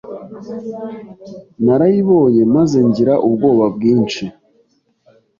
Narayibonye maze ngira ubwoba bwinshi